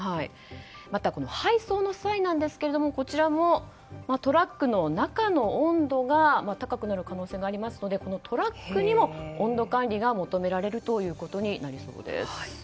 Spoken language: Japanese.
配送の際ですがこちらも、トラックの中の温度が高くなる可能性がありますのでトラックにも温度管理が求められるということになりそうです。